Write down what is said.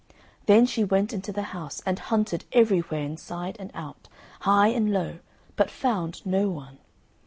Then she went into the house and hunted everywhere inside and out, high and low, but found no one.